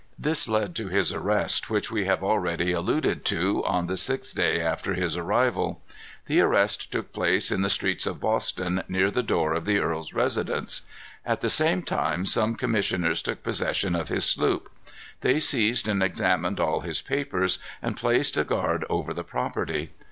This led to his arrest, which we have already alluded to, on the sixth day after his arrival. The arrest took place in the streets of Boston, near the door of the earl's residence. At the same time some commissioners took possession of his sloop. They seized and examined all his papers, and placed a guard over the property.